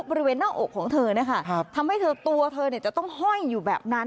บริเวณหน้าอกของเธอนะคะทำให้เธอตัวเธอจะต้องห้อยอยู่แบบนั้น